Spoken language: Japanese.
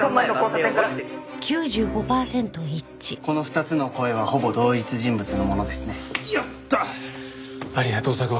この２つの声はほぼ同一人物のものですね。